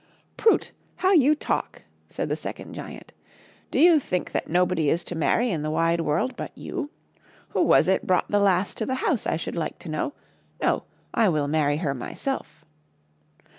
" Prut ! how you talk !" said the second giant, " do you think that nobody is to marry in the wide world but you? Who was it brought the lass to the house I should like to know! No; I will marry her myself."